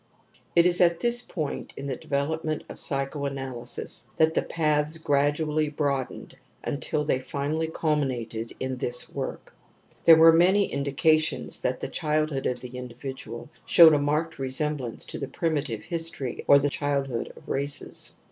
It is at this point in the development of psychoanalysis that the paths gradiially broad j^ned until they finally culminated in this work. / There were many indications that the child I hood of the individual showed a marked resem / blance to the primitive history or the childl [_hood of races.